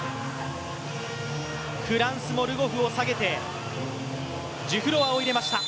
フランスもルゴフを下げてジュフロワを入れました。